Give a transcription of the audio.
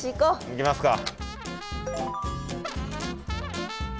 行きますか！